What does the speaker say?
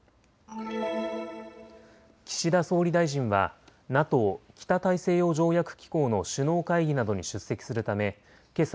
岸田総理大臣はＮＡＴＯ・北大西洋条約機構の首脳会議などに出席するためけさ